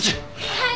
はい。